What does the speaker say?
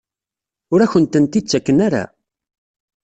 Ur akent-tent-id-ttaken ara?